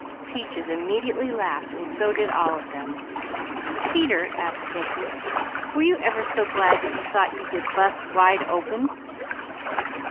_" Peaches immediately laughed; so did all of them. "Peter," asked Mickey, "were you ever so glad that you thought you would bust wide open?"